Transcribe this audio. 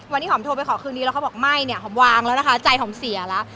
วันนี้หอมโทรไปขอคืนนี้แล้วเขาบอกไม่เนี่ยหอมวางแล้วนะคะใจหอมเสียแล้ว